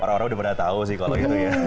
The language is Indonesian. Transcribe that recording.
orang orang udah pernah tahu sih kalau gitu ya